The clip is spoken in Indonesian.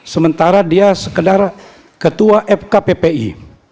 sementara dia sekedar ketua fkppi